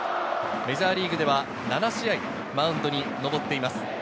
メジャーリーグでは７試合マウンドにのぼっています。